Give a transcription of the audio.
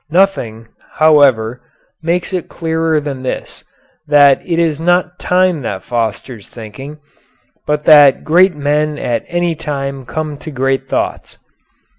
Nothing, however, makes it clearer than this, that it is not time that fosters thinking, but that great men at any time come to great thoughts.